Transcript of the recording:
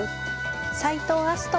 斎藤明日斗